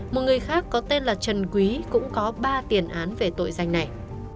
một người khác có tên là trần quý cũng có ba tiền án về tội danh này